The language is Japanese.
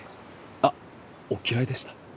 あっお嫌いでした？